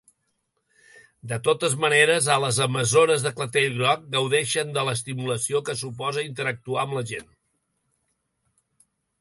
De totes maneres, a les amazones de clatell groc gaudeixen de l'estimulació que suposa interactuar amb la gent.